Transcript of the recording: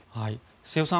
瀬尾さん